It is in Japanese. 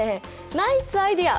ナイスアイデア！